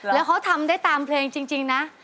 แล้วเขาทำได้ตามเพลงจริงนะ